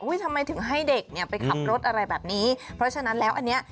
ทำไมถึงให้เด็กเนี่ยไปขับรถอะไรแบบนี้เพราะฉะนั้นแล้วอันเนี้ย